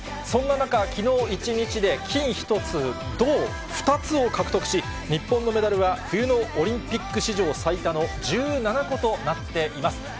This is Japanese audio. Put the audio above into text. そんな中、きのう一日で金１つ、銅２つを獲得し、日本のメダルは、冬のオリンピック史上最多の１７個となっています。